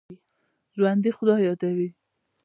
ژوندي خدای یادوي